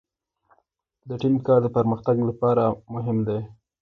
د ټیم کار د پرمختګ لپاره مهم دی.